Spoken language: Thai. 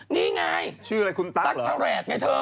นี่ไงตั๊กทาแหลดไงเธอ